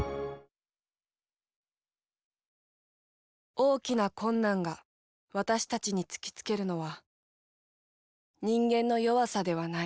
大きな困難が私たちに突きつけるのは人間の弱さではない。